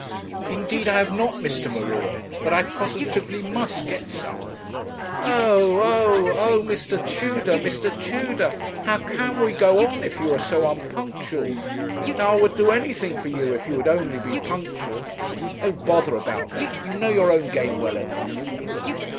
'Indeed I have not, Mr. M'Ruen; but I positively must get some.' 'Oh oh oh oh Mr. Tudor Mr. Tudor! How can we go on if you are so unpunctual? Now I would do anything for you if you would only be punctual.' 'Oh! bother about that you know your own game well enough.'